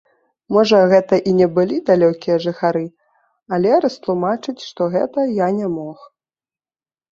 Можа, гэта і не былі далёкія жыхары, але растлумачыць, што гэта, я не мог.